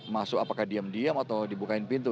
masuk apakah diam diam atau dibukain pintu